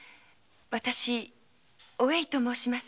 わたしお栄と申します。